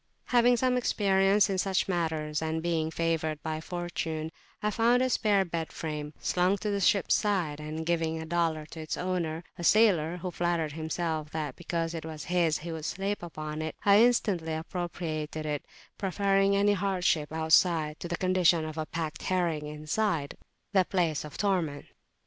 Having some experience in such matters, and being favoured by fortune, I found a spare bed frame slung to the ship's side; and giving a dollar to its owner, a sailor who flattered himself that, because it was his, he would sleep upon it, I instantly appropriated it, preferring any hardship outside, to the condition of a packed herring inside, the place of torment.